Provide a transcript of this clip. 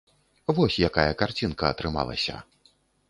Вось якая карцінка атрымалася.